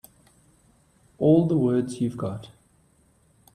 All the words you've got.